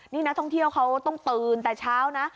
นี่นักท่องเที่ยวเขาต้องตื่นแต่เช้านะ